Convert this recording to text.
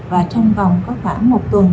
và trong vòng có khoảng một tuần